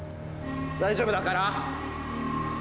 大丈夫だから！